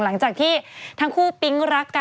หลังจากที่ทั้งคู่ปิ๊งรักกัน